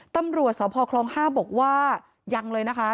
ตำรวจสพคลอง๕บอกว่ายังเลยนะคะ